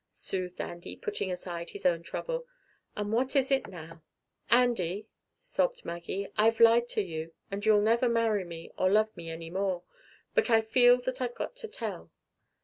soothed Andy, putting aside his own trouble. "And what is it now?" "Andy," sobbed Maggie, "I've lied to you and you'll never marry me, or love me any more. But I feel that I've got to tell.